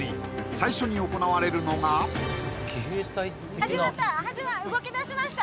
最初に行われるのが動きだしました